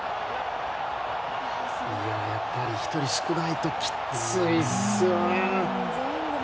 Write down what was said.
やっぱり１人少ないときついですよね。